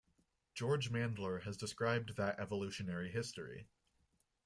George Mandler has described that evolutionary history.